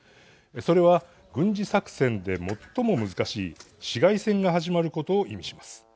それは、軍事作戦で最も難しい市街戦が始まることを意味します。